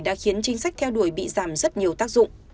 và nhiều tác dụng